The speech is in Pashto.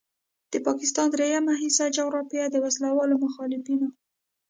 د پاکستان دریمه حصه جغرافیه د وسلوالو مخالفینو